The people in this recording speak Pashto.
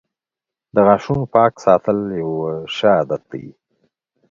• د غاښونو پاک ساتل یوه ښه عادت دی.